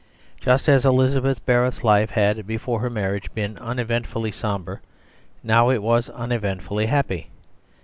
Just as Elizabeth Barrett's life had before her marriage been uneventfully sombre, now it was uneventfully happy.